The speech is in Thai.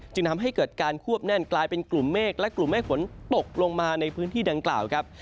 จึงทำให้เกิดการควบแน่นกลายเป็นกลุ่มเมฆและกลุ่มเมฆฝนตกลงมาในพื้นที่ดังกล่าวครับ